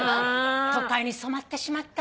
都会に染まってしまったわ。